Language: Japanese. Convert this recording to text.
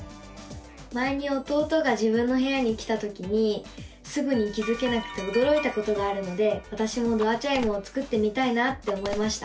前に弟が自分の部屋に来たときにすぐに気付けなくておどろいたことがあるのでわたしもドアチャイムを作ってみたいなって思いました！